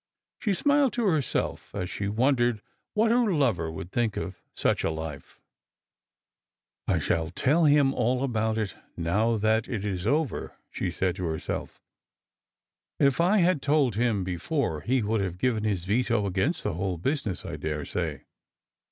" She smiled to herself as she wondered what her lover would think of such a life. " I shall tell him all aboi.t it now that it is over," she said to herself. " If I had told him before he would have given his veto against the whole business, I daresay.